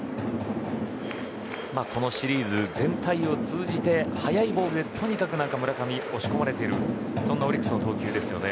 このシリーズ全体を通じて速いボールにとにかく村上、押し込まれているそんなオリックスの投球ですね。